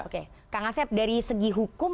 oke kak ngasep dari segi hukum